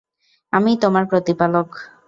আমিই তোমার প্রতিপালক।